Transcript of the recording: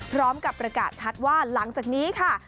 พร้อมกับประกาศชัดว่าหลังจากนี้ค่ะ